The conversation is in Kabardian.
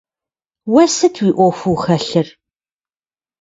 Уэ сыт уи ӏуэхуу хэлъыр?